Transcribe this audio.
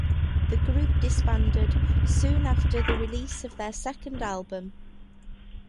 The group disbanded soon after the release of their second album.